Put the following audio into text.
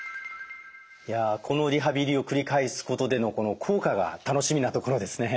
このリハビリを繰り返すことでの効果が楽しみなところですね。